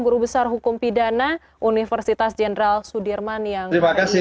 guru besar hukum pidana universitas general sudirman yang terima kasih